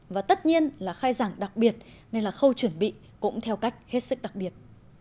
và tất nhiên là khai giảng đặc biệt nên là khâu chuẩn bị cũng theo cách hết sức đặc biệt